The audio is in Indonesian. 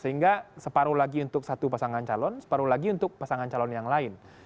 sehingga separuh lagi untuk satu pasangan calon separuh lagi untuk pasangan calon yang lain